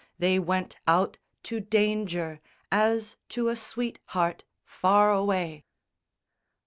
They went out To danger, as to a sweetheart, far away.